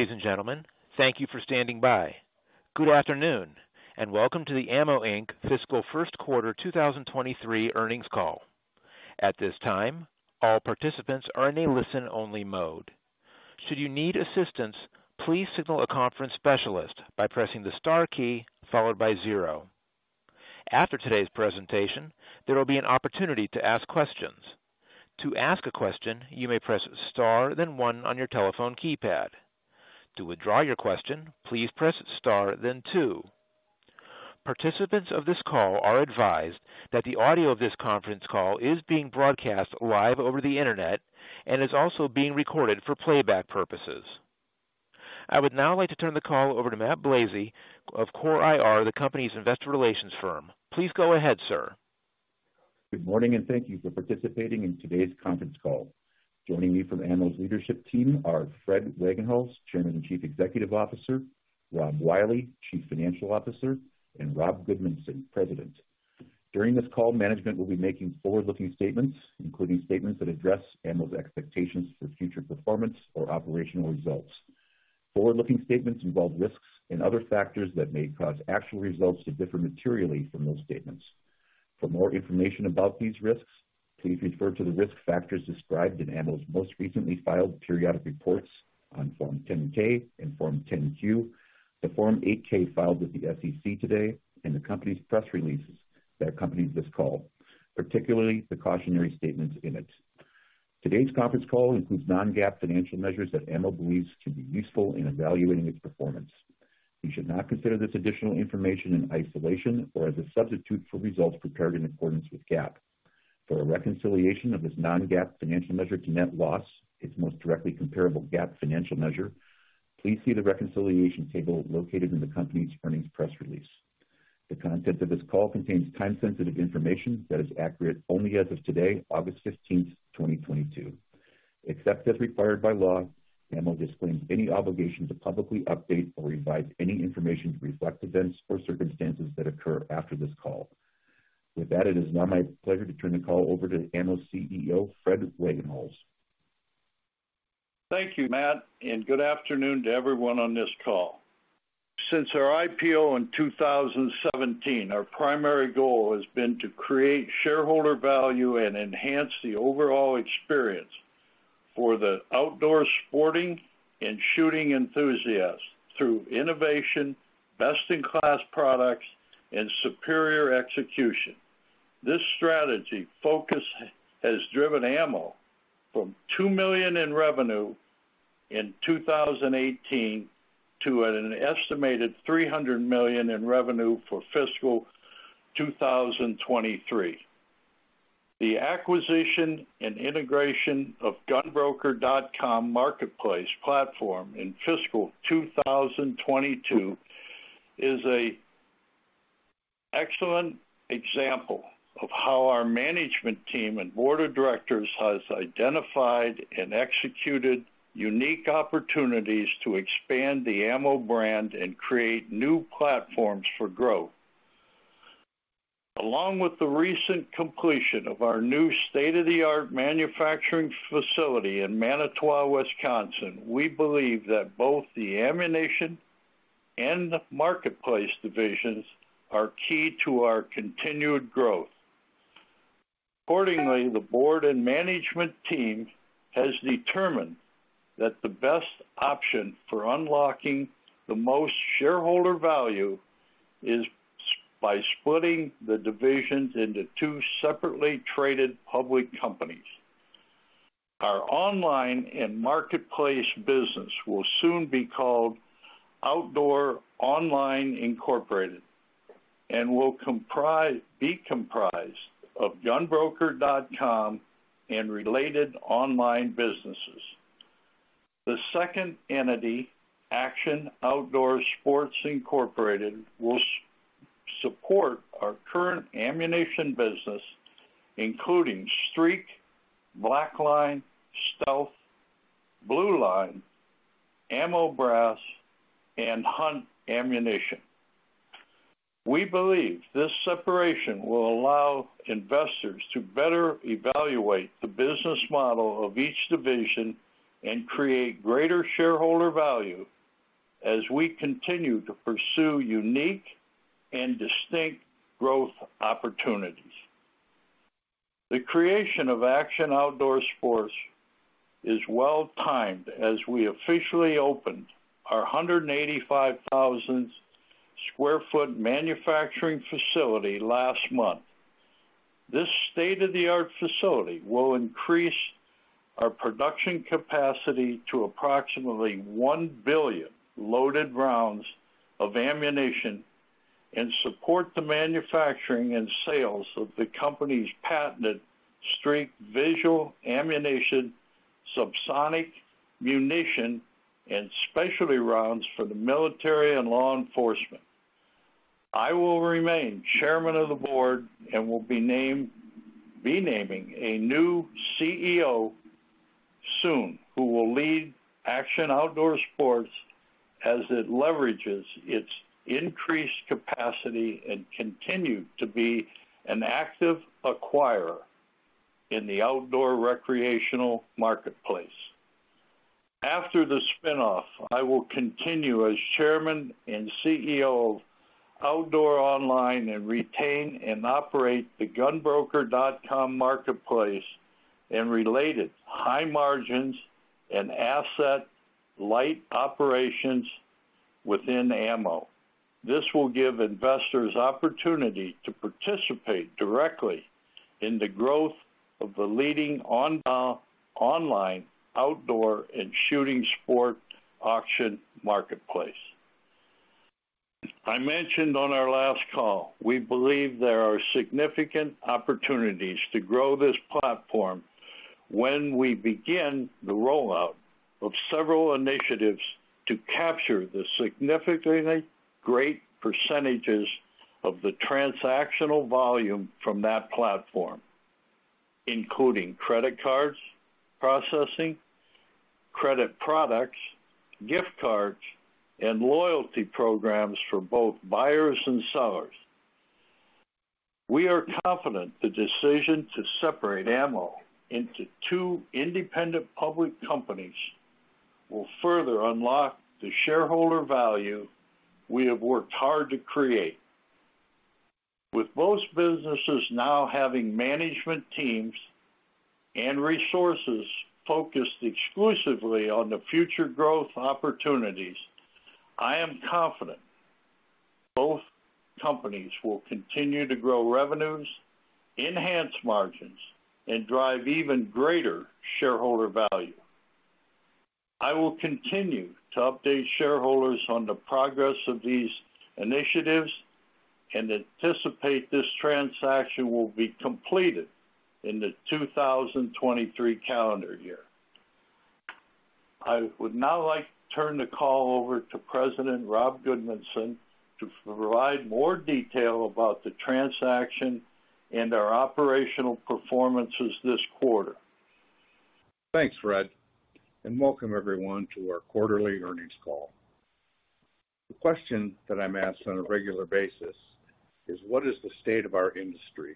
Ladies and gentlemen, thank you for standing by. Good afternoon, and welcome to the AMMO, Inc. Fiscal First Quarter 2023 Earnings Call. At this time, all participants are in a listen-only mode. Should you need assistance, please signal a conference specialist by pressing the star key followed by zero. After today's presentation, there will be an opportunity to ask questions. To ask a question, you may press star then one on your telephone keypad. To withdraw your question, please press star then two. Participants of this call are advised that the audio of this conference call is being broadcast live over the Internet and is also being recorded for playback purposes. I would now like to turn the call over to Matt Blazei of CORE IR, the company's Investor Relations firm. Please go ahead, sir. Good morning and thank you for participating in today's conference call. Joining me from AMMO's leadership team are Fred Wagenhals, Chairman and Chief Executive Officer, Rob Wiley, Chief Financial Officer, and Rob Gudmundsen, President. During this call, management will be making forward-looking statements, including statements that address AMMO's expectations for future performance or operational results. Forward-looking statements involve risks and other factors that may cause actual results to differ materially from those statements. For more information about these risks, please refer to the risk factors described in AMMO's most recently filed periodic reports on Form 10-K and Form 10-Q, the Form 8-K filed with the SEC today, and the company's press releases that accompanies this call, particularly the cautionary statements in it. Today's conference call includes non-GAAP financial measures that AMMO believes can be useful in evaluating its performance. You should not consider this additional information in isolation or as a substitute for results prepared in accordance with GAAP. For a reconciliation of this non-GAAP financial measure to net loss, its most directly comparable GAAP financial measure, please see the reconciliation table located in the company's earnings press release. The content of this call contains time-sensitive information that is accurate only as of today, August 15, 2022. Except as required by law, AMMO disclaims any obligation to publicly update or revise any information to reflect events or circumstances that occur after this call. With that, it is now my pleasure to turn the call over to AMMO's CEO, Fred Wagenhals. Thank you, Matt, and good afternoon to everyone on this call. Since our IPO in 2017, our primary goal has been to create shareholder value and enhance the overall experience for the outdoor sporting and shooting enthusiasts through innovation, best-in-class products, and superior execution. This strategy focus has driven AMMO from $2 million in revenue in 2018 to an estimated $300 million in revenue for fiscal 2023. The acquisition and integration of GunBroker.com marketplace platform in fiscal 2022 is an excellent example of how our management team and Board of Directors has identified and executed unique opportunities to expand the AMMO brand and create new platforms for growth. Along with the recent completion of our new state-of-the-art manufacturing facility in Manitowoc, Wisconsin, we believe that both the ammunition and marketplace divisions are key to our continued growth. Accordingly, the board and management team has determined that the best option for unlocking the most shareholder value is by splitting the divisions into two separately traded public companies. Our online and marketplace business will soon be called Outdoor Online, Inc. and will be comprised of GunBroker.com and related online businesses. The second entity, Action Outdoor Sports, Inc., will support our current ammunition business, including STREAK, BlackLine, stelTH, Blue Line, AMMO Brass, and Hunt Ammunition. We believe this separation will allow investors to better evaluate the business model of each division and create greater shareholder value as we continue to pursue unique and distinct growth opportunities. The creation of Action Outdoor Sports is well-timed as we officially opened our 185,000 sq ft manufacturing facility last month. This state-of-the-art facility will increase our production capacity to approximately 1 billion loaded rounds of ammunition and support the manufacturing and sales of the company's patented STREAK Visual Ammunition, subsonic munition, and specialty rounds for the military and law enforcement. I will remain chairman of the board and will be naming a new CEO soon who will lead Action Outdoor Sports as it leverages its increased capacity and continue to be an active acquirer in the outdoor recreational marketplace. After the spin-off, I will continue as chairman and CEO of Outdoor Online and retain and operate the GunBroker.com marketplace and related high margins and asset light operations within AMMO. This will give investors opportunity to participate directly in the growth of the leading online outdoor and shooting sport auction marketplace. I mentioned on our last call, we believe there are significant opportunities to grow this platform when we begin the rollout of several initiatives to capture the significantly greater percentages of the transactional volume from that platform, including credit cards processing, credit products, gift cards, and loyalty programs for both buyers and sellers. We are confident the decision to separate AMMO into two independent public companies will further unlock the shareholder value we have worked hard to create. With both businesses now having management teams and resources focused exclusively on the future growth opportunities, I am confident both companies will continue to grow revenues, enhance margins, and drive even greater shareholder value. I will continue to update shareholders on the progress of these initiatives and anticipate this transaction will be completed in the 2023 calendar year. I would now like to turn the call over to President Rob Gudmundsen to provide more detail about the transaction and our operational performances this quarter. Thanks, Fred, and welcome everyone to our quarterly earnings call. The question that I'm asked on a regular basis is what is the state of our industry?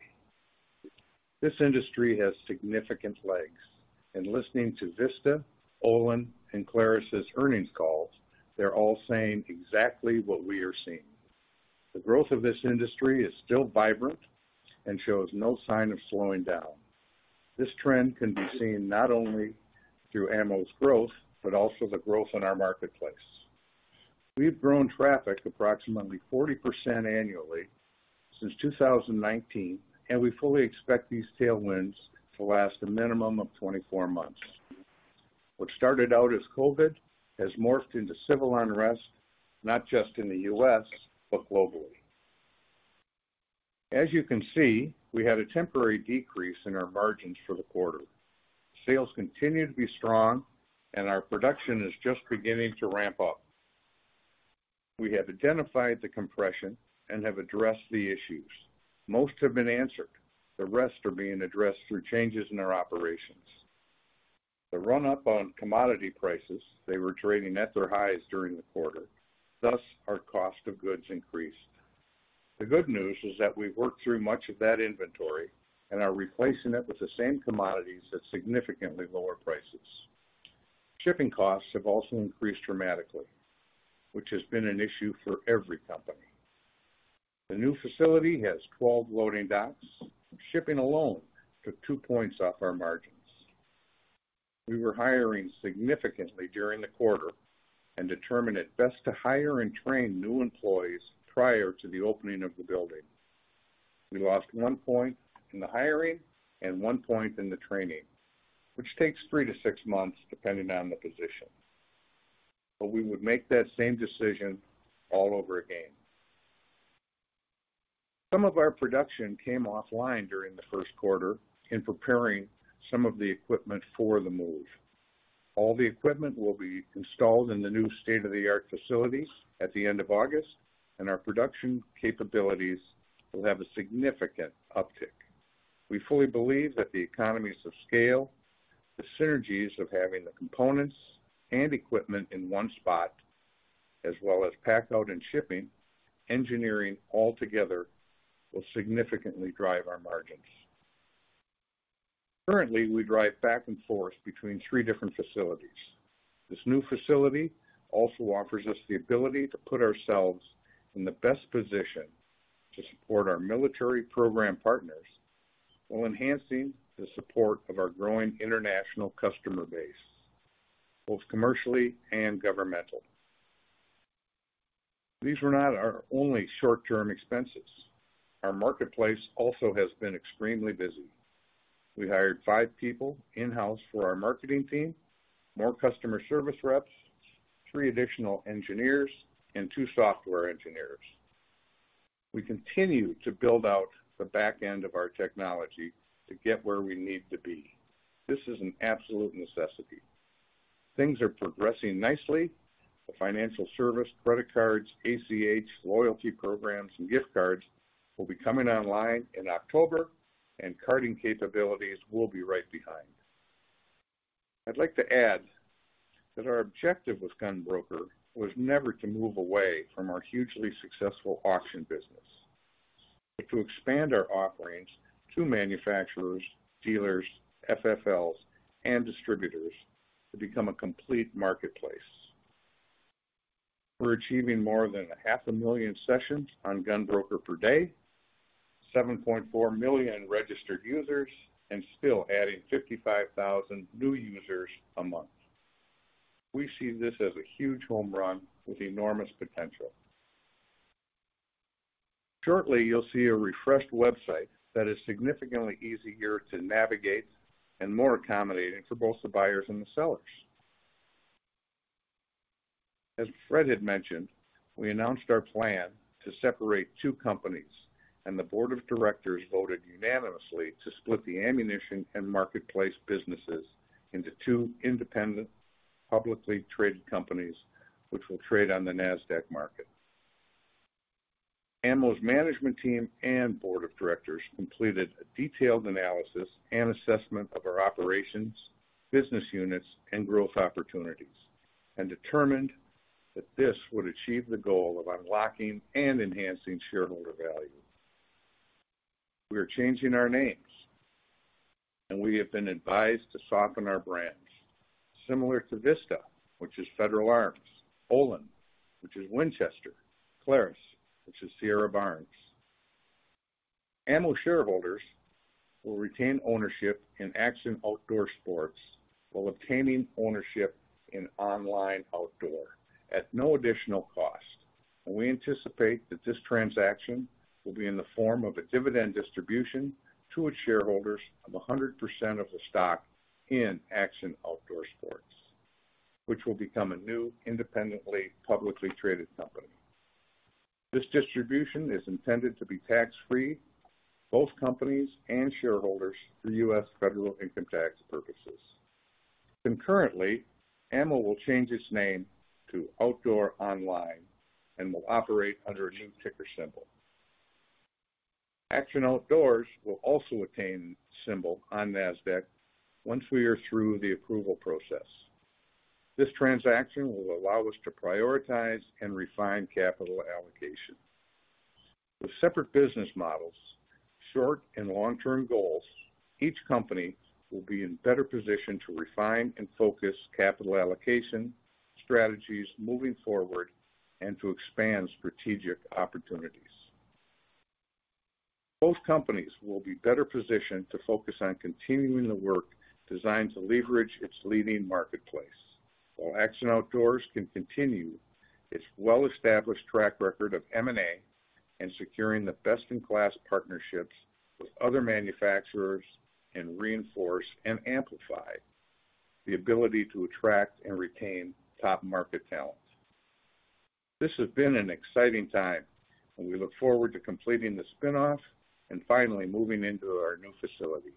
This industry has significant legs, and listening to Vista, Olin, and Clarus' earnings calls, they're all saying exactly what we are seeing. The growth of this industry is still vibrant and shows no sign of slowing down. This trend can be seen not only through AMMO's growth, but also the growth in our marketplace. We've grown traffic approximately 40% annually since 2019, and we fully expect these tailwinds to last a minimum of 24 months. What started out as COVID has morphed into civil unrest, not just in the U.S., but globally. As you can see, we had a temporary decrease in our margins for the quarter. Sales continue to be strong and our production is just beginning to ramp up. We have identified the compression and have addressed the issues. Most have been answered. The rest are being addressed through changes in our operations. The run-up on commodity prices, they were trading at their highs during the quarter. Thus, our cost of goods increased. The good news is that we've worked through much of that inventory and are replacing it with the same commodities at significantly lower prices. Shipping costs have also increased dramatically, which has been an issue for every company. The new facility has 12 loading docks. Shipping alone took 2 points off our margins. We were hiring significantly during the quarter and determined it best to hire and train new employees prior to the opening of the building. We lost 1 point in the hiring and 1 point in the training, which takes three-six months depending on the position. We would make that same decision all over again. Some of our production came offline during the first quarter in preparing some of the equipment for the move. All the equipment will be installed in the new state-of-the-art facilities at the end of August, and our production capabilities will have a significant uptick. We fully believe that the economies of scale, the synergies of having the components and equipment in one spot, as well as pack out and shipping, engineering all together, will significantly drive our margins. Currently, we drive back and forth between three different facilities. This new facility also offers us the ability to put ourselves in the best position to support our military program partners while enhancing the support of our growing international customer base, both commercially and governmental. These were not our only short-term expenses. Our marketplace also has been extremely busy. We hired five people in-house for our marketing team, more customer service reps, three additional engineers, and two software engineers. We continue to build out the back end of our technology to get where we need to be. This is an absolute necessity. Things are progressing nicely. The financial service, credit cards, ACH, loyalty programs, and gift cards will be coming online in October and carding capabilities will be right behind. I'd like to add that our objective with GunBroker was never to move away from our hugely successful auction business, but to expand our offerings to manufacturers, dealers, FFLs, and distributors to become a complete marketplace. We're achieving more than 500,000 sessions on GunBroker per day, 7.4 million registered users, and still adding 55,000 new users a month. We see this as a huge home run with enormous potential. Shortly, you'll see a refreshed website that is significantly easier to navigate and more accommodating for both the buyers and the sellers. As Fred had mentioned, we announced our plan to separate two companies, and the Board of Directors voted unanimously to split the ammunition and marketplace businesses into two independent, publicly traded companies, which will trade on the Nasdaq market. AMMO's management team and Board of Directors completed a detailed analysis and assessment of our operations, business units, and growth opportunities, and determined that this would achieve the goal of unlocking and enhancing shareholder value. We are changing our names, and we have been advised to soften our brands. Similar to Vista, which is Federal Ammunition, Olin, which is Winchester, Clarus, which is Sierra/Barnes Bullets. AMMO shareholders will retain ownership in Action Outdoor Sports while obtaining ownership in Outdoor Online at no additional cost. We anticipate that this transaction will be in the form of a dividend distribution to its shareholders of 100% of the stock in Action Outdoor Sports, which will become a new, independently publicly traded company. This distribution is intended to be tax-free, both companies and shareholders, for U.S. federal income tax purposes. Concurrently, AMMO will change its name to Outdoor Online and will operate under a new ticker symbol. Action Outdoors will also attain symbol on Nasdaq once we are through the approval process. This transaction will allow us to prioritize and refine capital allocation. With separate business models, short and long-term goals, each company will be in better position to refine and focus capital allocation strategies moving forward and to expand strategic opportunities. Both companies will be better positioned to focus on continuing the work designed to leverage its leading marketplace. While Action Outdoors can continue its well-established track record of M&A and securing the best-in-class partnerships with other manufacturers, and reinforce and amplify the ability to attract and retain top market talent. This has been an exciting time, and we look forward to completing the spinoff and finally moving into our new facility.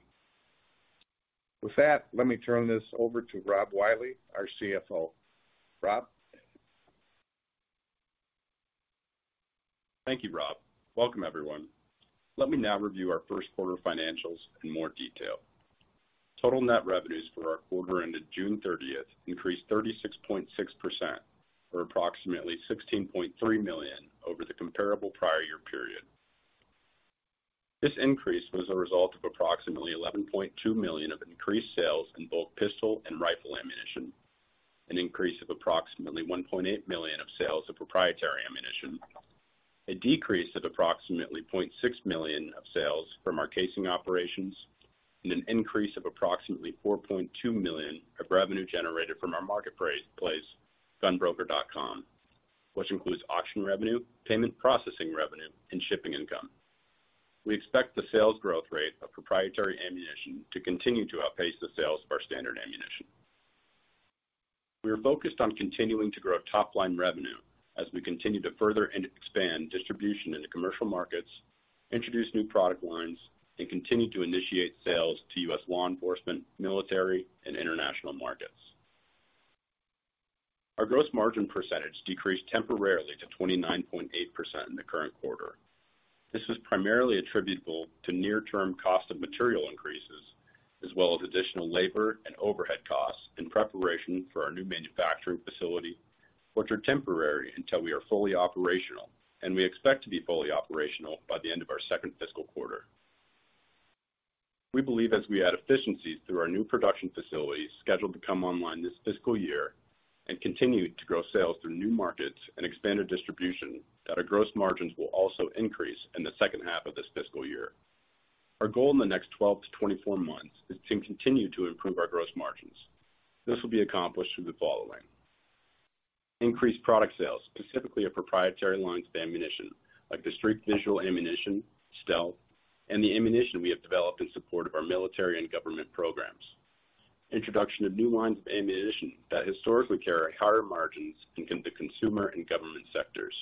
With that, let me turn this over to Rob Wiley, our CFO. Rob? Thank you, Rob. Welcome, everyone. Let me now review our first quarter financials in more detail. Total net revenues for our quarter ended June thirtieth increased 36.6% or approximately $16.3 million over the comparable prior year period. This increase was a result of approximately $11.2 million of increased sales in both pistol and rifle ammunition, an increase of approximately $1.8 million of sales of proprietary ammunition, a decrease of approximately $0.6 million of sales from our casing operations, and an increase of approximately $4.2 million of revenue generated from our marketplace, GunBroker.com, which includes auction revenue, payment processing revenue, and shipping income. We expect the sales growth rate of proprietary ammunition to continue to outpace the sales of our standard ammunition. We are focused on continuing to grow top-line revenue as we continue to further expand distribution in the commercial markets, introduce new product lines, and continue to initiate sales to U.S. law enforcement, military, and international markets. Our gross margin percentage decreased temporarily to 29.8% in the current quarter. This is primarily attributable to near-term cost of material increases, as well as additional labor and overhead costs in preparation for our new manufacturing facility, which are temporary until we are fully operational, and we expect to be fully operational by the end of our second fiscal quarter. We believe as we add efficiencies through our new production facilities scheduled to come online this fiscal year and continue to grow sales through new markets and expanded distribution, that our gross margins will also increase in the second half of this fiscal year. Our goal in the next 12-24 months is to continue to improve our gross margins. This will be accomplished through the following. Increased product sales, specifically of proprietary lines of ammunition, like the STREAK Visual Ammunition, stelTH, and the ammunition we have developed in support of our military and government programs. Introduction of new lines of ammunition that historically carry higher margins in both the consumer and government sectors.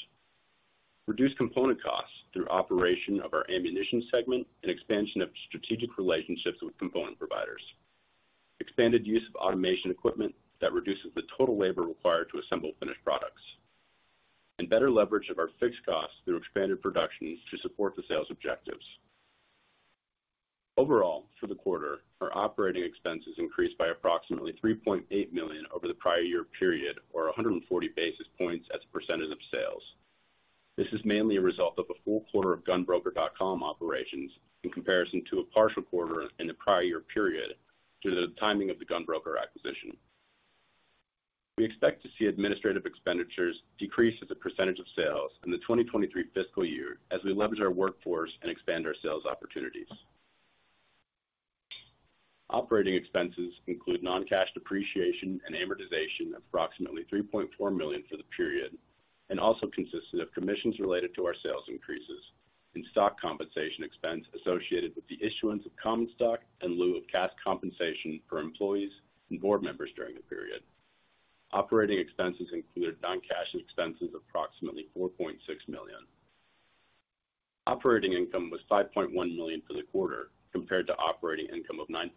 Reduce component costs through operation of our ammunition segment and expansion of strategic relationships with component providers. Expanded use of automation equipment that reduces the total labor required to assemble finished products. Better leverage of our fixed costs through expanded productions to support the sales objectives. Overall, for the quarter, our operating expenses increased by approximately $3.8 million over the prior year period, or 140 basis points as a percentage of sales. This is mainly a result of a full quarter of GunBroker.com operations in comparison to a partial quarter in the prior year period due to the timing of the GunBroker acquisition. We expect to see administrative expenditures decrease as a percentage of sales in the 2023 fiscal year as we leverage our workforce and expand our sales opportunities. Operating expenses include non-cash depreciation and amortization of approximately $3.4 million for the period, and also consisted of commissions related to our sales increases and stock compensation expense associated with the issuance of common stock in lieu of cash compensation for employees and board members during the period. Operating expenses included non-cash expenses of approximately $4.6 million. Operating income was $5.1 million for the quarter compared to operating income of $9.7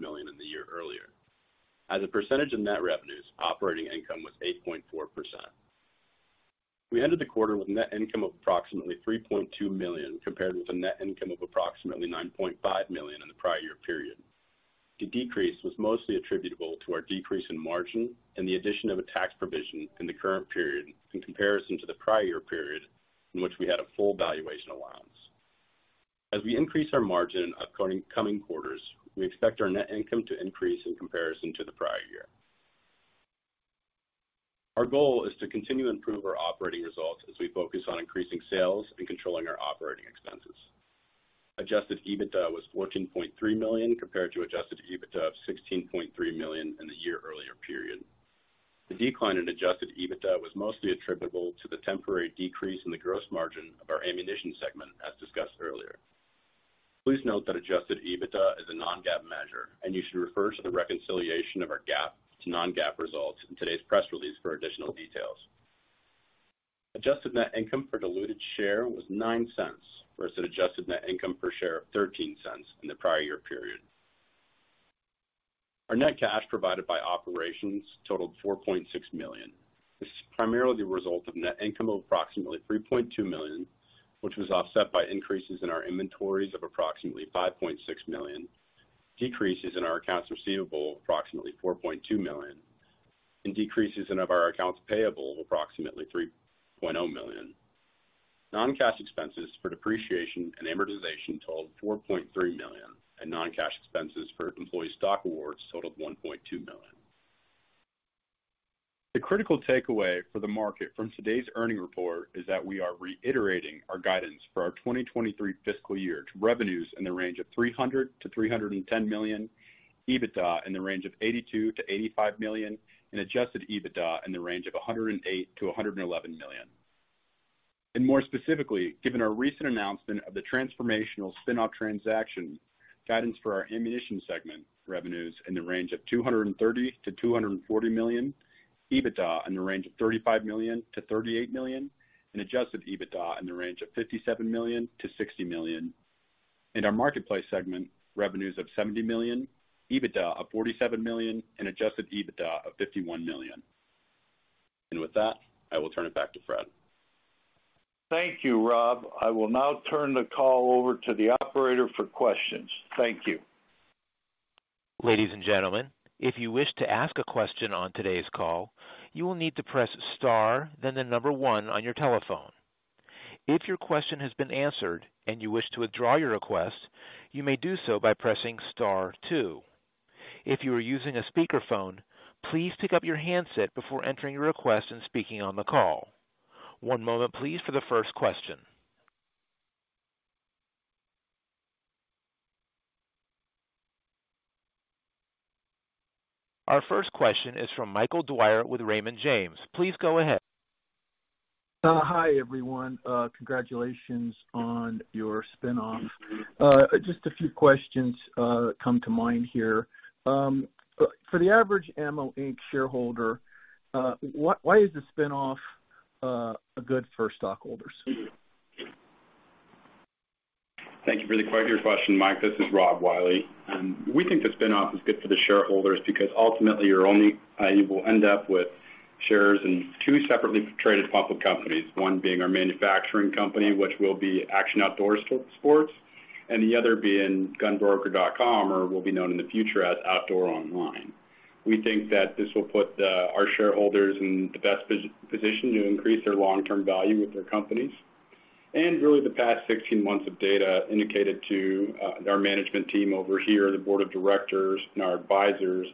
million in the year earlier. As a percentage of net revenues, operating income was 8.4%. We ended the quarter with net income of approximately $3.2 million, compared with a net income of approximately $9.5 million in the prior year period. The decrease was mostly attributable to our decrease in margin and the addition of a tax provision in the current period in comparison to the prior year period in which we had a full valuation allowance. As we increase our margin in coming quarters, we expect our net income to increase in comparison to the prior year. Our goal is to continue to improve our operating results as we focus on increasing sales and controlling our operating expenses. Adjusted EBITDA was $14.3 million compared to Adjusted EBITDA of $16.3 million in the year earlier period. The decline in Adjusted EBITDA was mostly attributable to the temporary decrease in the gross margin of our ammunition segment, as discussed earlier. Please note that Adjusted EBITDA is a non-GAAP measure, and you should refer to the reconciliation of our GAAP to non-GAAP results in today's press release for additional details. Adjusted net income per diluted share was $0.09 versus Adjusted net income per share of $0.13 in the prior year period. Our net cash provided by operations totaled $4.6 million. This is primarily the result of net income of approximately $3.2 million, which was offset by increases in our inventories of approximately $5.6 million, decreases in our accounts receivable of approximately $4.2 million, and decreases in our accounts payable of approximately $3.0 million. Non-cash expenses for depreciation and amortization totaled $4.3 million, and non-cash expenses for employee stock awards totaled $1.2 million. The critical takeaway for the market from today's earnings report is that we are reiterating our guidance for our 2023 fiscal year to revenues in the range of $300 million-$310 million, EBITDA in the range of $82 million-$85 million, and Adjusted EBITDA in the range of $108 million-$111 million. More specifically, given our recent announcement of the transformational spin-off transaction, guidance for our ammunition segment revenues in the range of $230 million-$240 million, EBITDA in the range of $35 million-$38 million, and Adjusted EBITDA in the range of $57 million-$60 million. In our marketplace segment, revenues of $70 million, EBITDA of $47 million, and Adjusted EBITDA of $51 million. With that, I will turn it back to Fred. Thank you, Rob. I will now turn the call over to the operator for questions. Thank you. Ladies and gentlemen, if you wish to ask a question on today's call, you will need to press star, then one on your telephone. If your question has been answered and you wish to withdraw your request, you may do so by pressing star two. If you are using a speakerphone, please pick up your handset before entering your request and speaking on the call. One moment please for the first question. Our first question is from Michael Dwyer with Raymond James. Please go ahead. Hi, everyone. Congratulations on your spin-off. Just a few questions come to mind here. For the average AMMO, Inc. shareholder, why is the spin-off good for stockholders? Thank you for your question, Mike. This is Rob Wiley. We think the spin-off is good for the shareholders because ultimately, you will end up with shares in two separately traded public companies, one being our manufacturing company, which will be Action Outdoor Sports, and the other being GunBroker.com, or will be known in the future as Outdoor Online. We think that this will put our shareholders in the best position to increase their long-term value with their companies. Really, the past 16 months of data indicated to our management team over here, the Board of Directors and our advisors,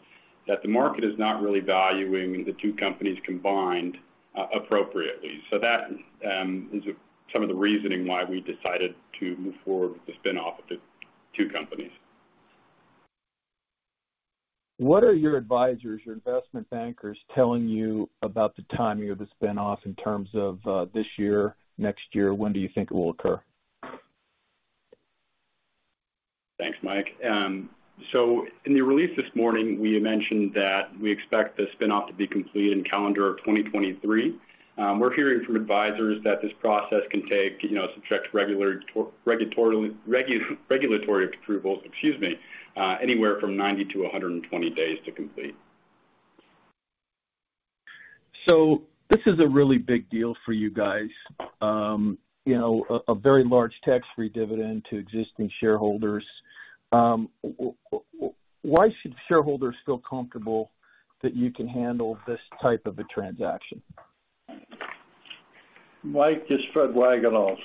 that the market is not really valuing the two companies combined appropriately. That is some of the reasoning why we decided to move forward with the spin-off of the two companies. What are your advisors or investment bankers telling you about the timing of the spin-off in terms of, this year, next year? When do you think it will occur? Thanks, Mike. In the release this morning, we had mentioned that we expect the spin-off to be complete in calendar of 2023. We're hearing from advisors that this process can take, you know, subject to regulatory approvals, excuse me, anywhere from 90-120 days to complete. This is a really big deal for you guys. You know, a very large tax-free dividend to existing shareholders. Why should shareholders feel comfortable that you can handle this type of a transaction? Mike, this is Fred Wagenhals.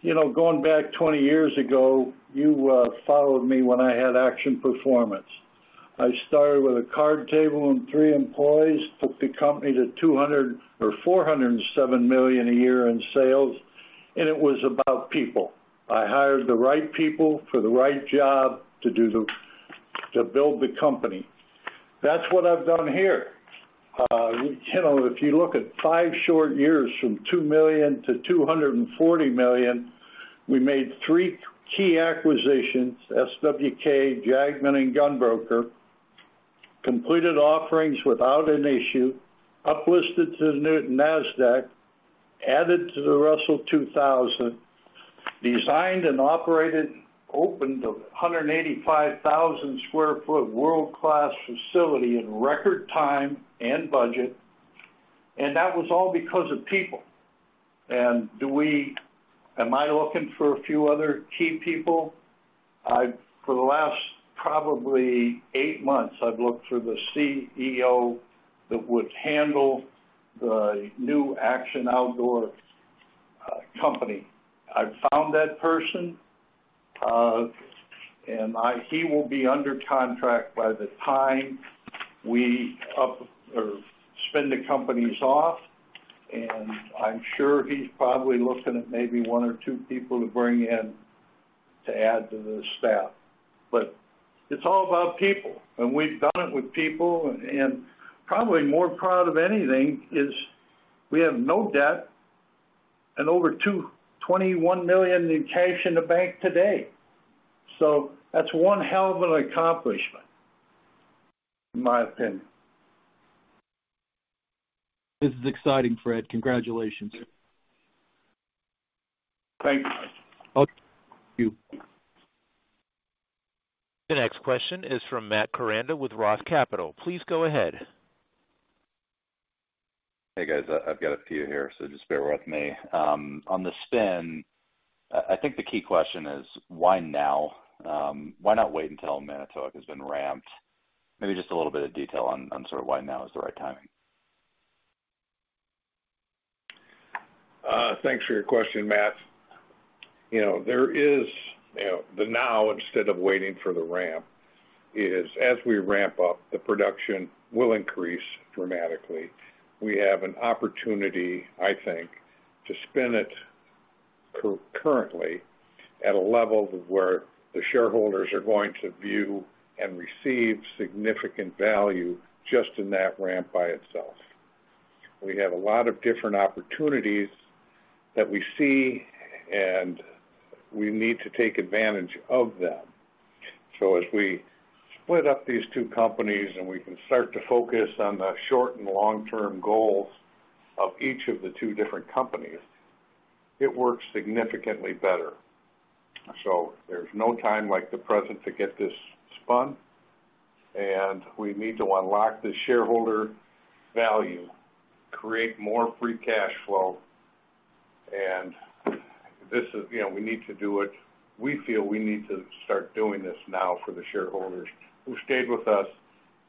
You know, going back 20 years ago, you followed me when I had Action Performance. I started with a card table and three employees, took the company to $247 million a year in sales, and it was about people. I hired the right people for the right job to build the company. That's what I've done here. You know, if you look at five short years from $2 million to $240 million, we made three key acquisitions, SWKH, Jagemann and GunBroker.com, completed offerings without an issue, uplisted to the Nasdaq, added to the Russell 2000, designed and operated, opened a 185,000 sq ft world-class facility in record time and budget. That was all because of people. Am I looking for a few other key people? For the last probably eight months, I've looked for the CEO that would handle the new Action Outdoors company. I found that person. He will be under contract by the time we split up or spin the companies off, and I'm sure he's probably looking at maybe one or two people to bring in to add to the staff. It's all about people, and we've done it with people. Probably more proud of anything is we have no debt and over $21 million in cash in the bank today. That's one hell of an accomplishment, in my opinion. This is exciting, Fred. Congratulations. Thank you, Mike. Okay. Thank you. The next question is from Matt Koranda with ROTH Capital. Please go ahead. Hey, guys. I've got a few here, so just bear with me. On the spin, I think the key question is, why now? Why not wait until Manitowoc has been ramped? Maybe just a little bit of detail on sort of why now is the right timing. Thanks for your question, Matt. You know, there is, you know, the now instead of waiting for the ramp is as we ramp up, the production will increase dramatically. We have an opportunity, I think, to spin it co-currently at a level of where the shareholders are going to view and receive significant value just in that ramp by itself. We have a lot of different opportunities that we see, and we need to take advantage of them. As we split up these two companies, and we can start to focus on the short and long-term goals of each of the two different companies, it works significantly better. There's no time like the present to get this spun, and we need to unlock the shareholder value, create more free cash flow. You know, we need to do it. We feel we need to start doing this now for the shareholders who stayed with us,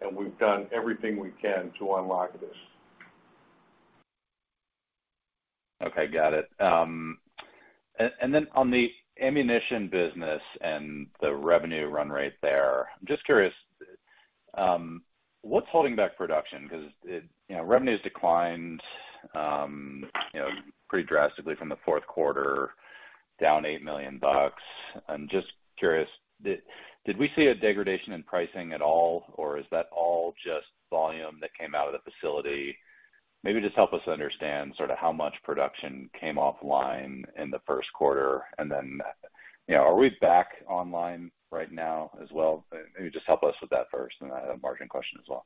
and we've done everything we can to unlock this. Okay, got it. And then on the ammunition business and the revenue run rate there, I'm just curious, what's holding back production? Because it... You know, revenues declined, you know, pretty drastically from the fourth quarter, down $8 million. I'm just curious, did we see a degradation in pricing at all, or is that all just volume that came out of the facility? Maybe just help us understand sort of how much production came offline in the first quarter. And then, you know, are we back online right now as well? Maybe just help us with that first, and then I have a margin question as well.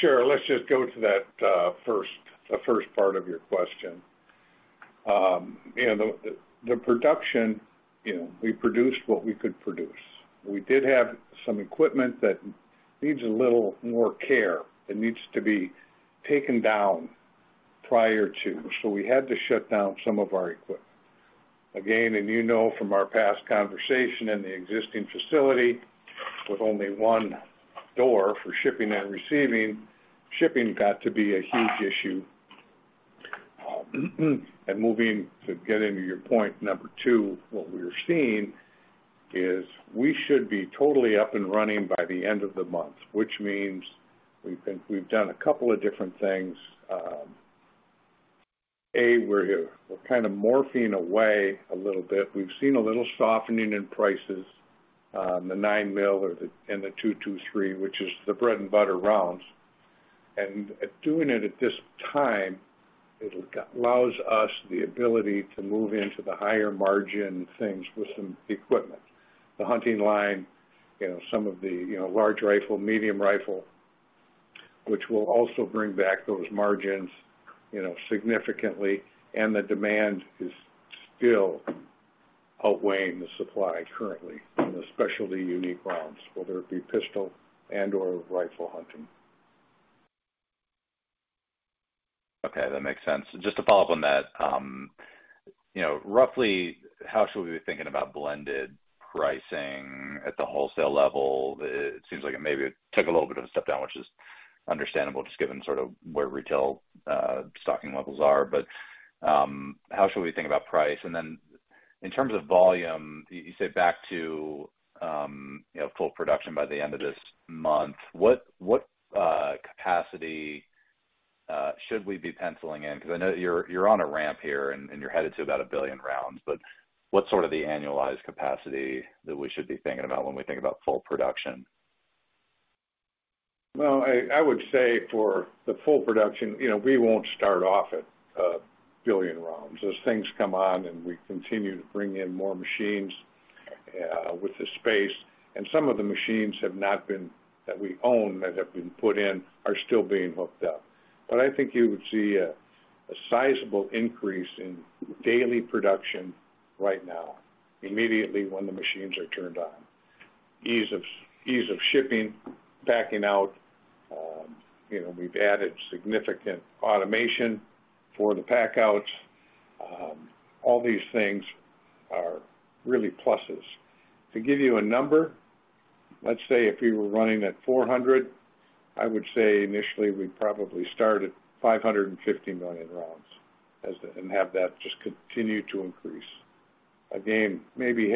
Sure. Let's just go to that, the first part of your question. You know, the production, you know, we produced what we could produce. We did have some equipment that needs a little more care, that needs to be taken down prior to, so we had to shut down some of our equipment. You know from our past conversation in the existing facility, with only one door for shipping and receiving, shipping got to be a huge issue. Moving to get into your point number two, what we're seeing is we should be totally up and running by the end of the month, which means we think we've done a couple of different things. A, we're kind of morphing away a little bit. We've seen a little softening in prices, the 9mm or the .223, which is the bread and butter rounds. Doing it at this time, it allows us the ability to move into the higher margin things with some equipment. The hunting line, you know, some of the, you know, large rifle, medium rifle, which will also bring back those margins, you know, significantly. The demand is still outweighing the supply currently in the specialty unique rounds, whether it be pistol and or rifle hunting. Okay, that makes sense. Just to follow up on that, you know, roughly how should we be thinking about blended pricing at the wholesale level? It seems like it maybe took a little bit of a step down, which is understandable, just given sort of where retail stocking levels are. But how should we think about price? And then in terms of volume, you said back to, you know, full production by the end of this month. What capacity should we be penciling in? Because I know you're on a ramp here, and you're headed to about 1 billion rounds, but what's sort of the annualized capacity that we should be thinking about when we think about full production? Well, I would say for the full production, you know, we won't start off at 1 billion rounds. As things come on, and we continue to bring in more machines, with the space, and some of the machines that we own, that have been put in, are still being hooked up. But I think you would see a sizable increase in daily production right now, immediately when the machines are turned on. Ease of shipping, packing out, you know, we've added significant automation for the pack outs. All these things are really pluses. To give you a number, let's say if we were running at 400 million, I would say initially we'd probably start at 550 million rounds and have that just continue to increase. Again, maybe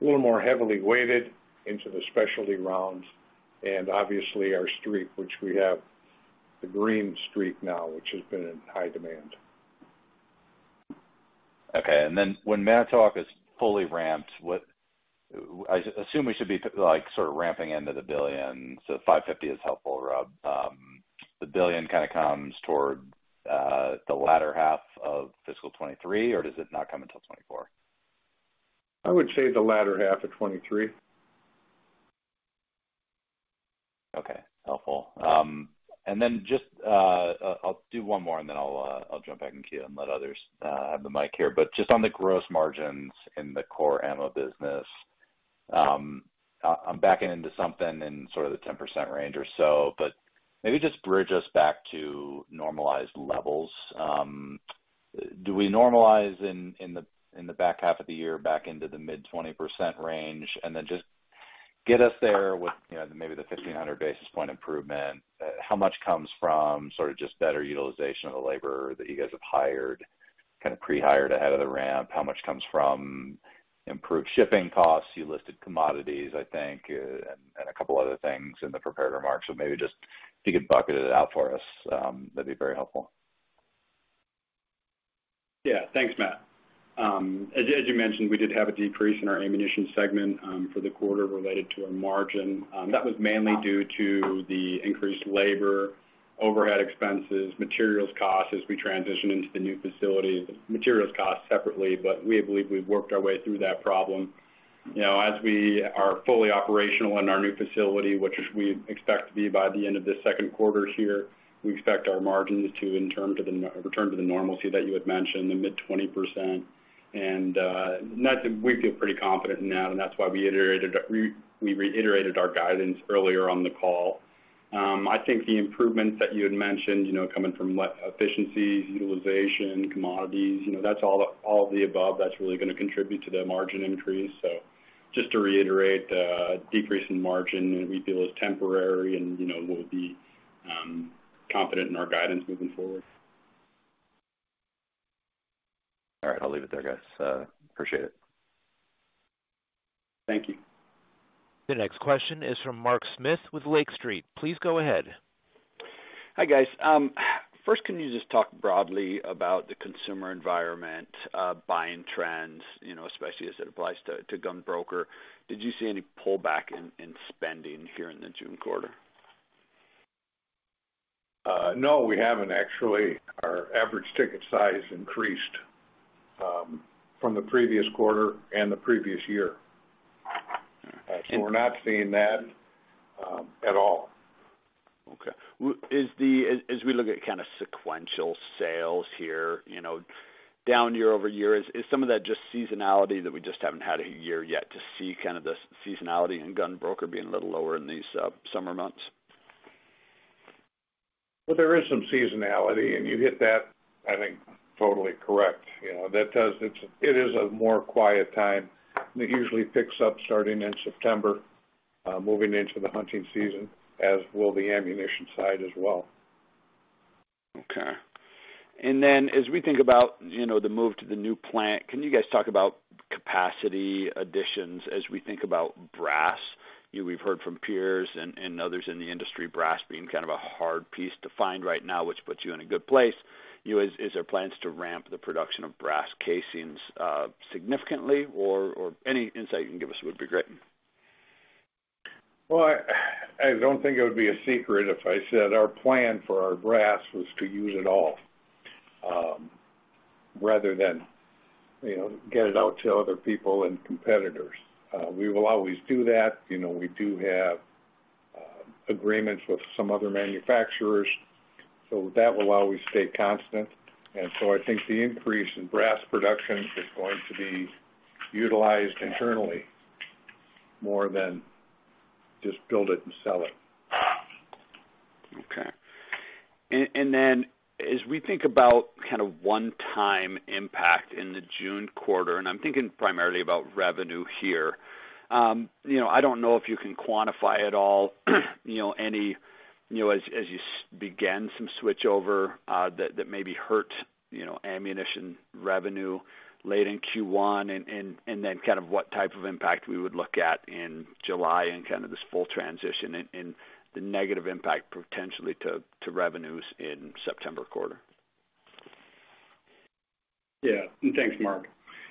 little more heavily weighted into the specialty rounds and obviously our STREAK, which we have the Green STREAK now, which has been in high demand. Okay. When manufacturing is fully ramped, I assume we should be like sort of ramping into the billion. $550 million is helpful, Rob. The $1 billion kind of comes toward the latter half of fiscal 2023, or does it not come until 2024? I would say the latter half of 2023. Okay. Helpful. Then just, I'll do one more, then I'll jump back in queue and let others have the mic here. Just on the gross margins in the core AMMO business, I'm backing into something in sort of the 10% range or so, but maybe just bridge us back to normalized levels. Do we normalize in the back half of the year back into the mid-20% range? Then just get us there with, you know, maybe the 1,500 basis point improvement. How much comes from sort of just better utilization of the labor that you guys have hired, kind of pre-hired ahead of the ramp? How much comes from improved shipping costs? You listed commodities, I think, and a couple other things in the prepared remarks. Maybe just if you could bucket it out for us, that'd be very helpful. Yeah. Thanks, Matt. As you mentioned, we did have a decrease in our ammunition segment for the quarter related to our margin. That was mainly due to the increased labor, overhead expenses, materials costs as we transition into the new facility. The materials cost separately, but we believe we've worked our way through that problem. You know, as we are fully operational in our new facility, which we expect to be by the end of the second quarter here, we expect our margins to return to the normalcy that you had mentioned, the mid-20%. We feel pretty confident in that, and that's why we reiterated our guidance earlier on the call. I think the improvements that you had mentioned, you know, coming from what efficiencies, utilization, commodities, you know, that's all of the above that's really gonna contribute to the margin increase. Just to reiterate, decrease in margin, we feel is temporary, and, you know, we'll be confident in our guidance moving forward. All right, I'll leave it there, guys. Appreciate it. Thank you. The next question is from Mark Smith with Lake Street. Please go ahead. Hi, guys. First, can you just talk broadly about the consumer environment, buying trends, you know, especially as it applies to GunBroker? Did you see any pullback in spending here in the June quarter? No, we haven't. Actually, our average ticket size increased from the previous quarter and the previous year. Okay. We're not seeing that at all. As we look at kind of sequential sales here, you know, down year-over-year, is some of that just seasonality that we just haven't had a year yet to see kind of the seasonality in GunBroker being a little lower in these summer months? Well, there is some seasonality, and you hit that, I think, totally correct. You know, it is a more quiet time, and it usually picks up starting in September, moving into the hunting season, as will the ammunition side as well. Okay. As we think about, you know, the move to the new plant, can you guys talk about capacity additions as we think about brass? You know, we've heard from peers and others in the industry, brass being kind of a hard piece to find right now, which puts you in a good place. You know, is there plans to ramp the production of brass casings significantly? Or any insight you can give us would be great. Well, I don't think it would be a secret if I said our plan for our brass was to use it all, rather than, you know, get it out to other people and competitors. We will always do that. You know, we do have agreements with some other manufacturers, so that will always stay constant. I think the increase in brass production is going to be utilized internally more than just build it and sell it. Okay. As we think about kind of one-time impact in the June quarter, and I'm thinking primarily about revenue here, you know, I don't know if you can quantify at all, you know, any, you know, as you begin some switchover, that maybe hurt, you know, ammunition revenue late in Q1 and then kind of what type of impact we would look at in July and kind of this full transition and the negative impact potentially to revenues in September quarter? Yeah. Thanks, Mark.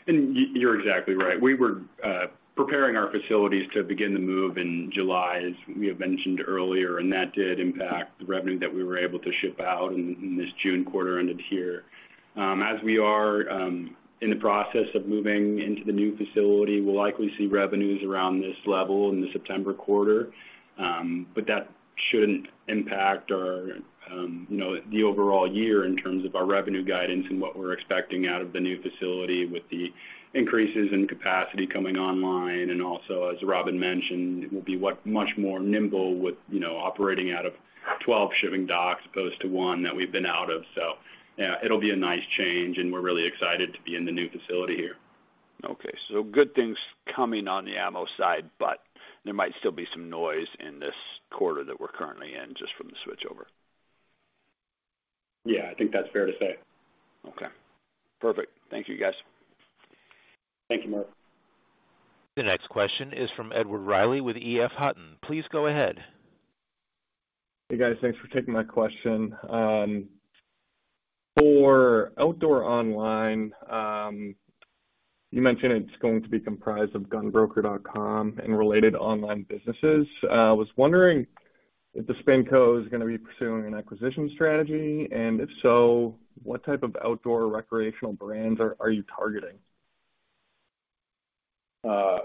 You're exactly right. We were preparing our facilities to begin the move in July, as we had mentioned earlier, and that did impact the revenue that we were able to ship out in this June quarter ended here. As we are in the process of moving into the new facility, we'll likely see revenues around this level in the September quarter. But that shouldn't impact our, you know, the overall year in terms of our revenue guidance and what we're expecting out of the new facility with the increases in capacity coming online. Also, as Rob mentioned, it will be much more nimble with, you know, operating out of 12 shipping docks as opposed to 1 that we've been out of. Yeah, it'll be a nice change, and we're really excited to be in the new facility here. Okay. Good things coming on the AMMO side, but there might still be some noise in this quarter that we're currently in just from the switchover. Yeah, I think that's fair to say. Okay. Perfect. Thank you, guys. Thank you, Mark. The next question is from Edward Reilly with EF Hutton. Please go ahead. Hey, guys. Thanks for taking my question. For Outdoor Online, you mentioned it's going to be comprised of GunBroker.com and related online businesses. I was wondering if the spinco is gonna be pursuing an acquisition strategy, and if so, what type of outdoor recreational brands are you targeting?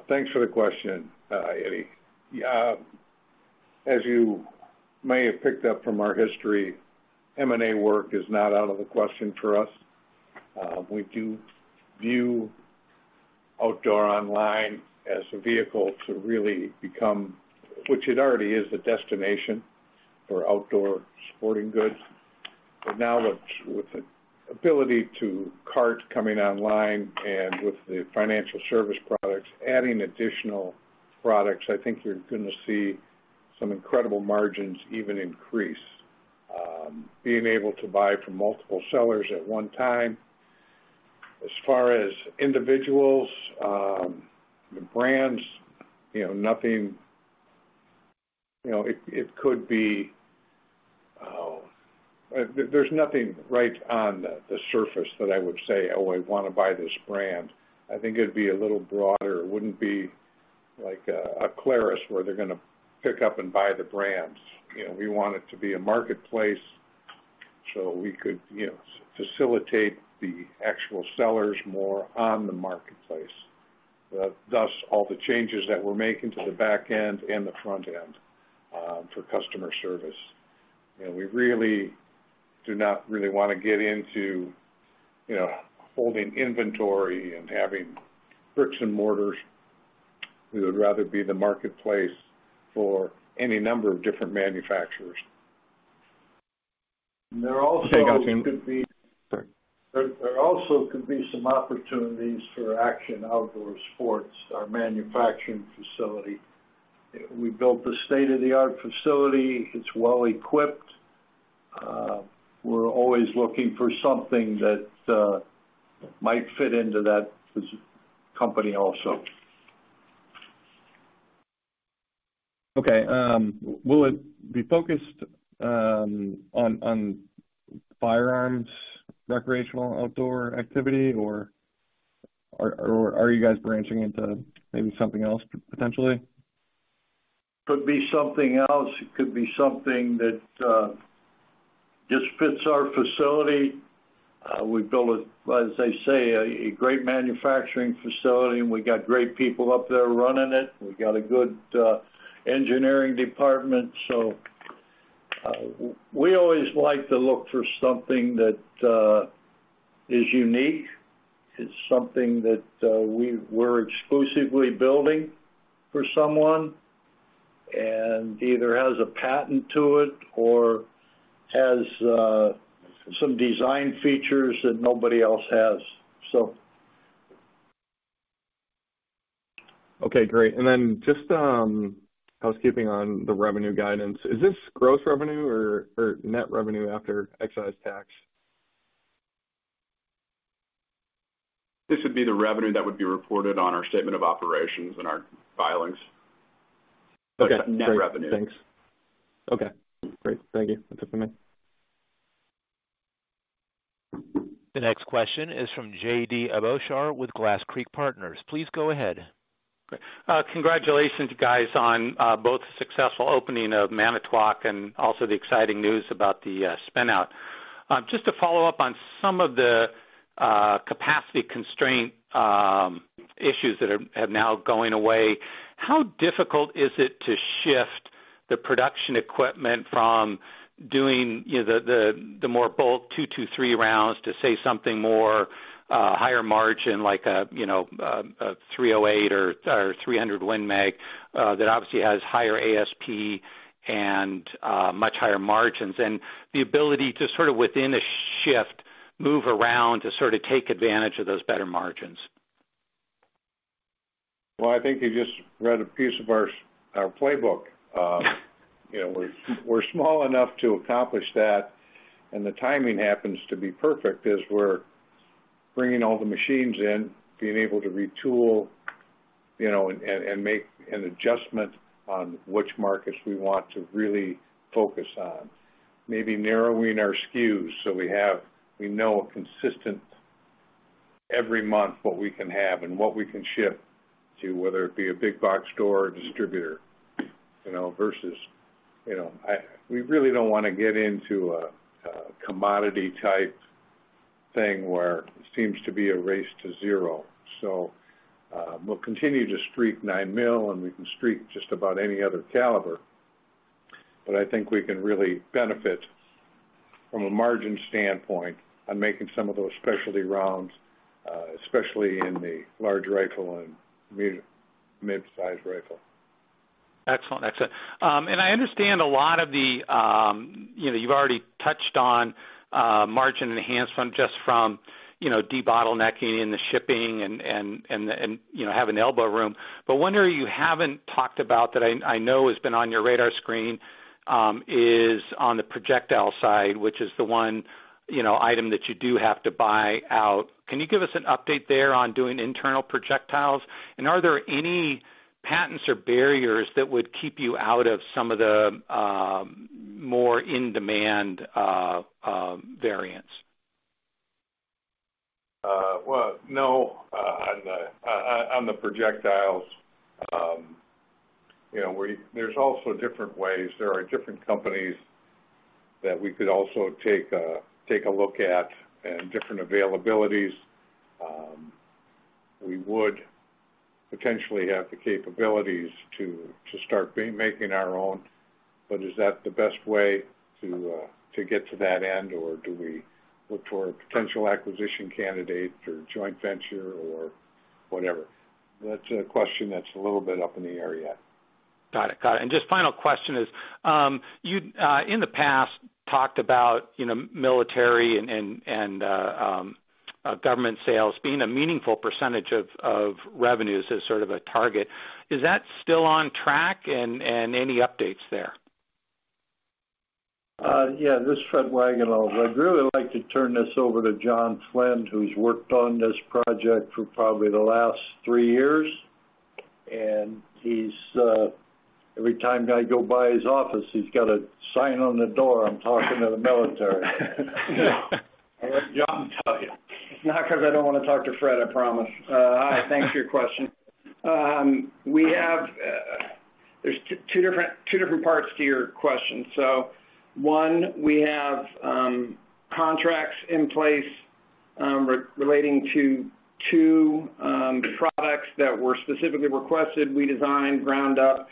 Thanks for the question, Eddie. Yeah, as you may have picked up from our history, M&A work is not out of the question for us. We do view Outdoor Online as a vehicle to really become, which it already is, a destination for outdoor sporting goods. Now with the ability to cart coming online and with the financial service products, adding additional products, I think you're gonna see some incredible margins even increase, being able to buy from multiple sellers at one time. As far as individual brands, you know, nothing. You know, it could be. There's nothing right on the surface that I would say, "Oh, I wanna buy this brand." I think it'd be a little broader. It wouldn't be like Clarus, where they're gonna pick up and buy the brands. You know, we want it to be a marketplace, so we could, you know, facilitate the actual sellers more on the marketplace. Thus all the changes that we're making to the back end and the front end for customer service. You know, we really do not wanna get into, you know, holding inventory and having bricks and mortars. We would rather be the marketplace for any number of different manufacturers. There also could be. There also could be some opportunities for Action Outdoor Sports, our manufacturing facility. We built a state-of-the-art facility. It's well-equipped. We're always looking for something that might fit into that company also. Okay. Will it be focused on firearms recreational outdoor activity or are you guys branching into maybe something else potentially? Could be something else. It could be something that just fits our facility. We built, as I say, a great manufacturing facility, and we got great people up there running it. We got a good engineering department. We always like to look for something that is unique. It's something that we're exclusively building for someone and either has a patent to it or has some design features that nobody else has. So. Okay, great. Just housekeeping on the revenue guidance. Is this gross revenue or net revenue after excise tax? This would be the revenue that would be reported on our statement of operations and our filings. Okay. Net revenue. Great. Thanks. Okay, great. Thank you. That's it for me. The next question is from JD Abouchar with Glass Creek Partners. Please go ahead. Great. Congratulations, you guys, on both the successful opening of Manitowoc and also the exciting news about the spin-out. Just to follow up on some of the capacity constraint issues that have now going away, how difficult is it to shift the production equipment from doing, you know, the more bulk two-three rounds to say something more higher margin like, you know, a .308 or .300 Win Mag, that obviously has higher ASP and much higher margins. The ability to sort of within a shift, move around to sort of take advantage of those better margins. Well, I think you just read a piece of our playbook. You know, we're small enough to accomplish that, and the timing happens to be perfect as we're bringing all the machines in, being able to retool, you know, and make an adjustment on which markets we want to really focus on. Maybe narrowing our SKUs so we know a consistent every month what we can have and what we can ship to, whether it be a big box store or distributor, you know, versus, you know. We really don't wanna get into a commodity type thing where it seems to be a race to zero. We'll continue to STREAK 9mm, and we can streak just about any other caliber. I think we can really benefit from a margin standpoint on making some of those specialty rounds, especially in the large rifle and mid-sized rifle. Excellent. Excellent. I understand a lot of the, you know, you've already touched on, margin enhancement just from, you know, debottlenecking in the shipping and, you know, having elbow room. One area you haven't talked about that I know has been on your radar screen, is on the projectile side, which is the one, item that you do have to buy out. Can you give us an update there on doing internal projectiles? And are there any patents or barriers that would keep you out of some of the, more in-demand, variants? Well, no, on the projectiles, you know, there's also different ways. There are different companies that we could also take a look at and different availabilities. We would potentially have the capabilities to start making our own. Is that the best way to get to that end, or do we look for a potential acquisition candidate or joint venture or whatever? That's a question that's a little bit up in the air yet. Got it. Just final question is, you'd in the past talked about, you know, military and government sales being a meaningful percentage of revenues as sort of a target. Is that still on track? Any updates there? This is Fred Wagenhals. I'd really like to turn this over to John Flynn, who's worked on this project for probably the last three years. He's every time I go by his office, he's got a sign on the door, "I'm talking to the military." I'll let John tell you. It's not 'cause I don't wanna talk to Fred, I promise. Hi. Thanks for your question. We have, there's two different parts to your question. One, we have contracts in place relating to two products that were specifically requested. We designed ground up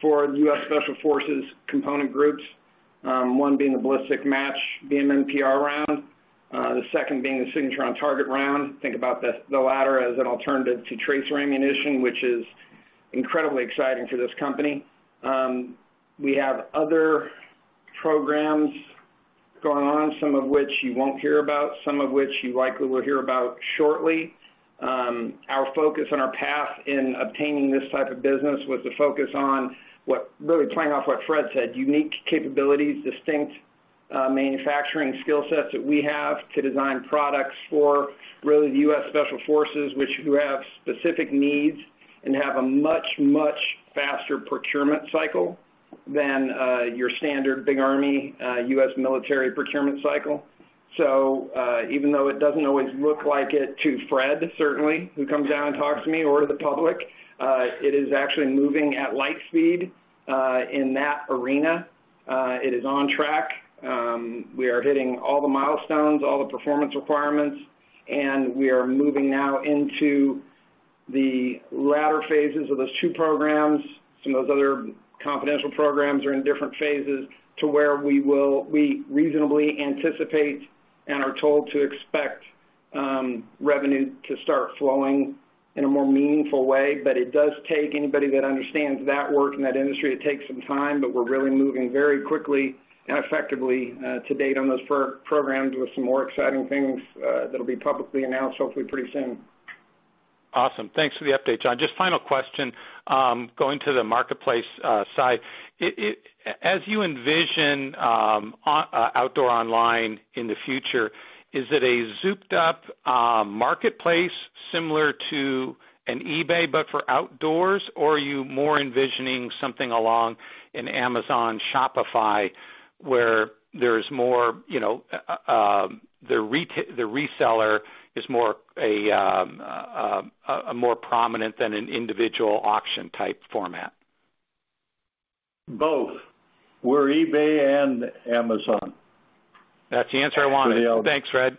for U.S. Special Forces component groups, one being the Ballistic Match BMMPR round, the second being the Signature-on-Target round. Think about the latter as an alternative to tracer ammunition, which is incredibly exciting for this company. We have other programs going on, some of which you won't hear about, some of which you likely will hear about shortly. Our focus and our path in obtaining this type of business was to focus on really playing off what Fred said, unique capabilities, distinct, manufacturing skill sets that we have to design products for really the U.S. Special Forces, which have specific needs and have a much faster procurement cycle than your standard big army, U.S. military procurement cycle. Even though it doesn't always look like it to Fred, certainly, who comes down and talks to me or to the public, it is actually moving at light speed in that arena. It is on track. We are hitting all the milestones, all the performance requirements, and we are moving now into the latter phases of those two programs. Some of those other confidential programs are in different phases to where we reasonably anticipate and are told to expect revenue to start flowing in a more meaningful way. It does take anybody that understands that work in that industry some time, but we're really moving very quickly and effectively to date on those programs with some more exciting things that'll be publicly announced hopefully pretty soon. Awesome. Thanks for the update, John. Just final question, going to the marketplace side. As you envision Outdoor Online in the future, is it a souped up marketplace similar to an eBay but for outdoors, or are you more envisioning something along an Amazon Shopify, where there's more, you know, the reseller is more a more prominent than an individual auction type format? Both. We're eBay and Amazon. That's the answer I wanted. Thanks, Fred.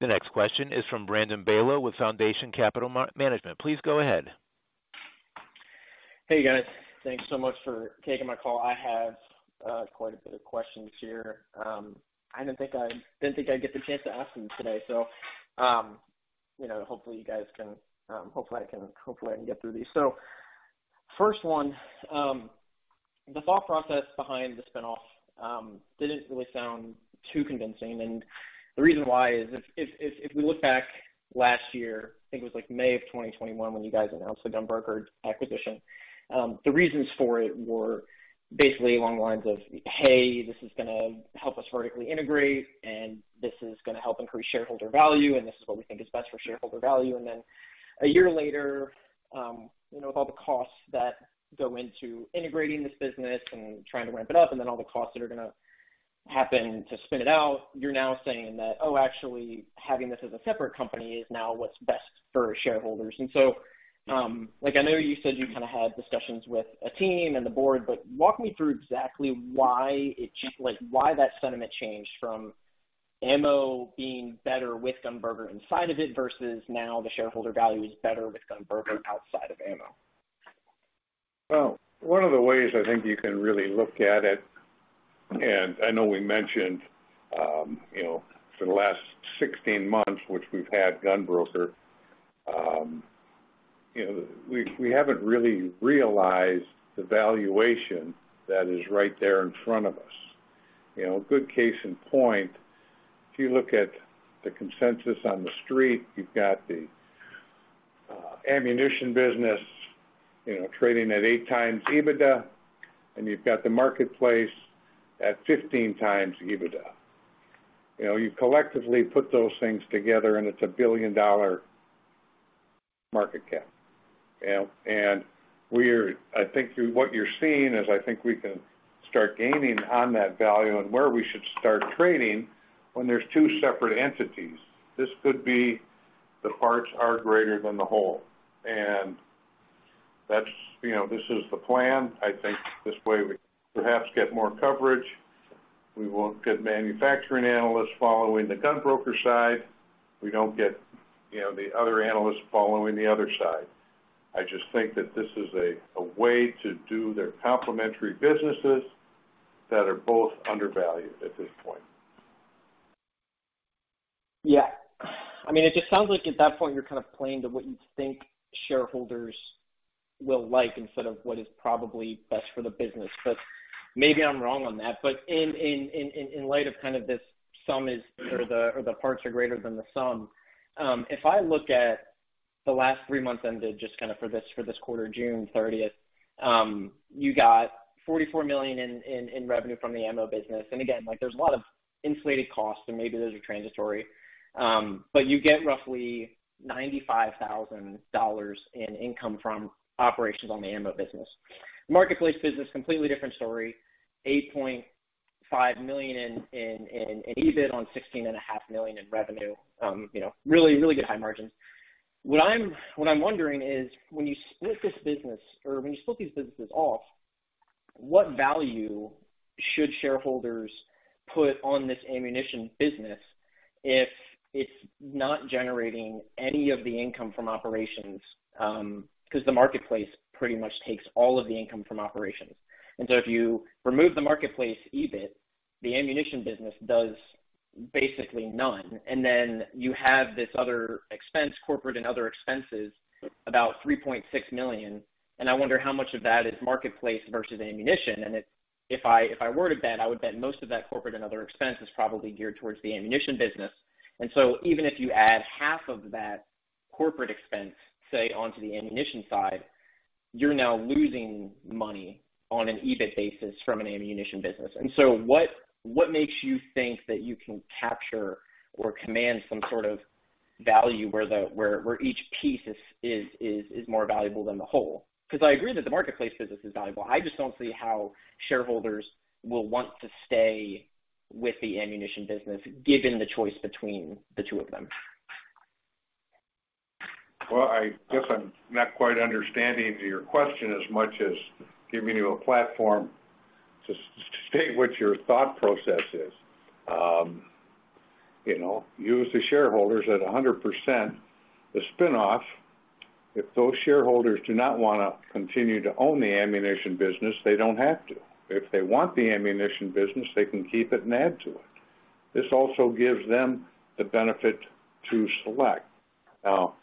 The next question is from Brandon Beylo with Foundation Capital Management. Please go ahead. Hey, guys. Thanks so much for taking my call. I have quite a bit of questions here. I didn't think I'd get the chance to ask them today, so you know, hopefully you guys can, hopefully I can get through these. First one, the thought process behind the spinoff didn't really sound too convincing. The reason why is if we look back last year, I think it was like May of 2021 when you guys announced the GunBroker acquisition, the reasons for it were basically along the lines of, "Hey, this is gonna help us vertically integrate, and this is gonna help increase shareholder value, and this is what we think is best for shareholder value." Then a year later, you know, with all the costs that go into integrating this business and trying to ramp it up and then all the costs that are gonna happen to spin it out, you're now saying that, "Oh, actually having this as a separate company is now what's best for shareholders." Like, I know you said you kind of had discussions with a team and the board, but walk me through exactly why that sentiment changed from AMMO being better with GunBroker inside of it versus now the shareholder value is better with GunBroker outside of AMMO. Well, one of the ways I think you can really look at it, and I know we mentioned, you know, for the last 16 months, which we've had GunBroker, you know, we haven't really realized the valuation that is right there in front of us. You know, a good case in point, if you look at the consensus on the street, you've got the ammunition business, you know, trading at 8x EBITDA, and you've got the marketplace at 15x EBITDA. You know, you collectively put those things together, and it's a billion-dollar market cap. You know, what you're seeing is, I think, we can start gaining on that value and where we should start trading when there's two separate entities. This could be the parts are greater than the whole. That's, you know, this is the plan. I think this way we perhaps get more coverage. We won't get manufacturing analysts following the GunBroker side. We don't get, you know, the other analysts following the other side. I just think that this is a way to do their complementary businesses that are both undervalued at this point. Yeah. I mean, it just sounds like at that point, you're kind of playing to what you think shareholders will like instead of what is probably best for the business, but maybe I'm wrong on that. In light of kind of the sum of the parts are greater than the sum, if I look at the last three months ended just kind of for this quarter, June 30th, you got $44 million in revenue from the AMMO business. Again, like, there's a lot of inflated costs, and maybe those are transitory. You get roughly $95 thousand in income from operations on the AMMO business. Marketplace business, completely different story. $8.5 million in EBIT on $16.5 million in revenue. You know, really, really good high margins. What I'm wondering is, when you split this business or when you split these businesses off, what value should shareholders put on this ammunition business if it's not generating any of the income from operations? 'Cause the marketplace pretty much takes all of the income from operations. If you remove the marketplace EBIT, the ammunition business does basically none. You have this other expense, corporate and other expenses, about $3.6 million. I wonder how much of that is marketplace versus ammunition. If I were to bet, I would bet most of that corporate and other expense is probably geared towards the ammunition business. Even if you add half of that corporate expense, say, onto the ammunition side, you're now losing money on an EBIT basis from an ammunition business. What makes you think that you can capture or command some sort of value where each piece is more valuable than the whole? 'Cause I agree that the marketplace business is valuable. I just don't see how shareholders will want to stay with the ammunition business given the choice between the two of them. Well, I guess I'm not quite understanding your question as much as giving you a platform to state what your thought process is. You know, you as the shareholders at 100% the spinoff, if those shareholders do not wanna continue to own the ammunition business, they don't have to. If they want the ammunition business, they can keep it and add to it. This also gives them the benefit to select. Now,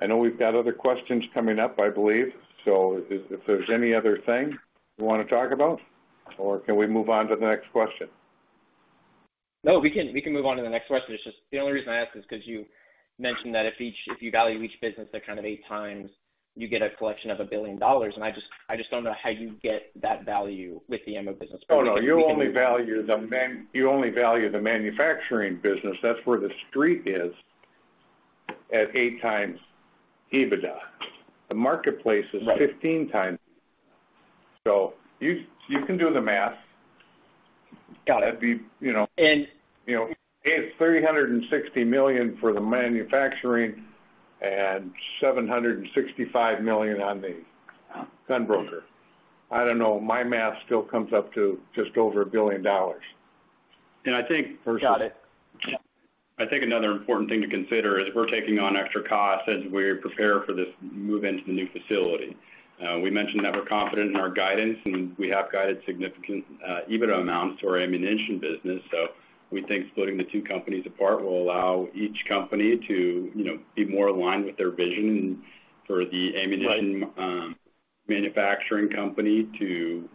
I know we've got other questions coming up, I believe. If there's any other thing you wanna talk about, or can we move on to the next question? No, we can move on to the next question. It's just the only reason I ask is 'cause you mentioned that if you value each business at kind of 8x, you get a valuation of $1 billion. I just don't know how you get that value with the AMMO business. Oh, no. You only value the manufacturing business. That's where the Street is at 8x EBITDA. The marketplace is- Right. 15x. You can do the math. Got it. That'd be, you know. And- You know, it's $360 million for the manufacturing and $765 million on the- Wow. GunBroker. I don't know. My math still comes up to just over $1 billion. I think. Got it. I think another important thing to consider is we're taking on extra costs as we prepare for this move into the new facility. We mentioned that we're confident in our guidance, and we have guided significant EBITDA amounts to our ammunition business. We think splitting the two companies apart will allow each company to, you know, be more aligned with their vision for the ammunition- Right. Manufacturing company to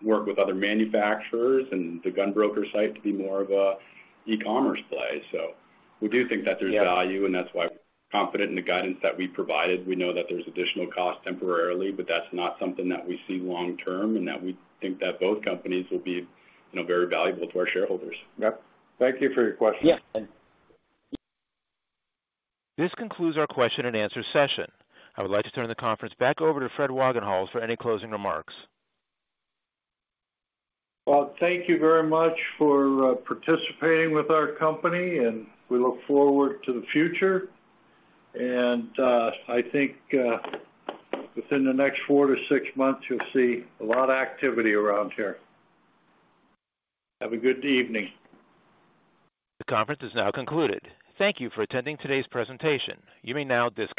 work with other manufacturers and the GunBroker site to be more of a e-commerce play. We do think that there's value, and that's why we're confident in the guidance that we provided. We know that there's additional cost temporarily, but that's not something that we see long term, and that we think that both companies will be, you know, very valuable to our shareholders. Yep. Thank you for your question. Yeah. Thanks. This concludes our question-and-answer session. I would like to turn the conference back over to Fred Wagenhals for any closing remarks. Well, thank you very much for participating with our company, and we look forward to the future. I think within the next four-six months, you'll see a lot of activity around here. Have a good evening. The conference is now concluded. Thank you for attending today's presentation. You may now disconnect.